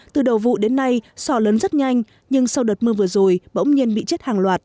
từ đầu vụ đến nay sò lớn rất nhanh nhưng sau đợt mưa vừa rồi bỗng nhiên bị chết hàng loạt